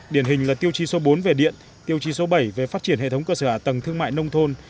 điển hình là tiêu chí số bốn về điện tiêu chí số bảy về phát triển hệ thống cơ sở ả tầng thương mại nông thôn